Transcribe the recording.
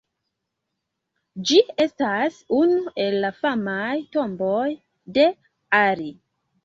Ĝi estas unu el la famaj tomboj de Ali.